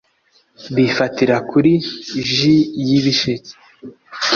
bifatira kuri ji y’ibisheke,